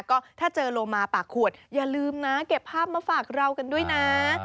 ก็ถ้าเจอโลมาปากขวดอย่าลืมนะเก็บภาพมาฝากเรากันด้วยนะ